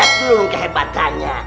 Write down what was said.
lihat dulu kehebatannya